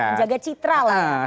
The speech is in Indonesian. penjaga citral lah